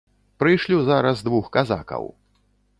Прышлю зараз двух казакаў.